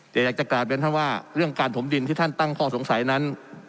แต่อยากจะกลับเรียนท่านว่าเรื่องการถมดินที่ท่านตั้งข้อสงสัยนั้น